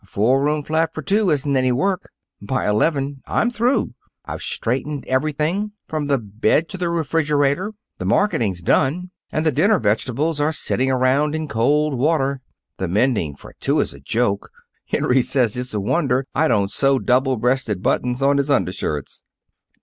A four room flat for two isn't any work. By eleven, I'm through. I've straightened everything, from the bed to the refrigerator; the marketing's done, and the dinner vegetables are sitting around in cold water. The mending for two is a joke. Henry says it's a wonder I don't sew double breasted buttons on his undershirts."